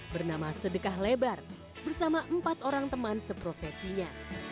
bernama sedekah lebar bersama empat orang teman seprofesinya